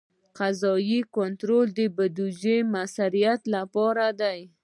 قضایي کنټرول د بودیجې د مؤثریت لپاره دی.